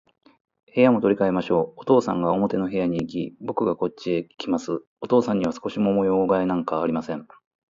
部屋も取り変えましょう。お父さんが表の部屋へいき、ぼくがこっちへきます。お父さんには少しも模様変えなんかありません。